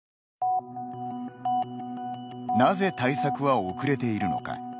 なぜ対策は遅れているのか。